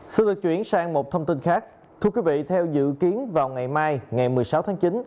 xin được chuyển sang một thông tin khác thưa quý vị theo dự kiến vào ngày mai ngày một mươi sáu tháng chín